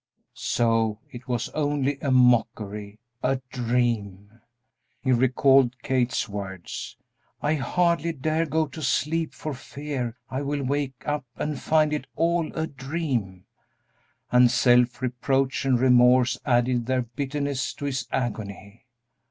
So it was only a mockery, a dream. He recalled Kate's words: "I hardly dare go to sleep for fear I will wake up and find it all a dream," and self reproach and remorse added their bitterness to his agony.